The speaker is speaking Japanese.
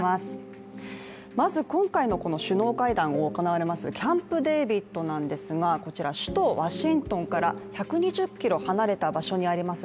まず今回の首脳会談が行われますキャンプデービッドなんですが、首都ワシントンから１２０ｋｍ離れた場所にあります